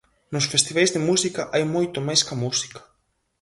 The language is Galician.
Nos festivais de música hai moito máis ca música.